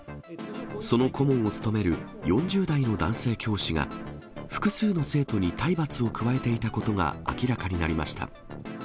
その顧問を務める４０代の男性教師が、複数の生徒に体罰を加えていたことが明らかになりました。